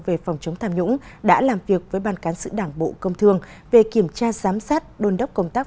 về phòng chống tham nhũng đã làm việc với ban cán sự đảng bộ công thương về kiểm tra giám sát đôn đốc công tác